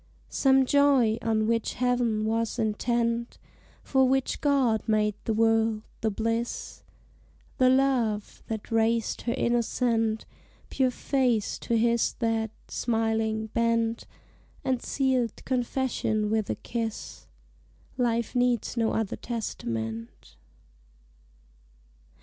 Some joy, on which Heav'n was intent For which God made the world the bliss, The love, that raised her innocent Pure face to his that, smiling, bent And sealed confession with a kiss Life needs no other testament.